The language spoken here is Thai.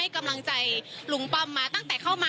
อันนี้จะต้องจับเบอร์เพื่อที่จะแข่งกันแล้วคุณละครับ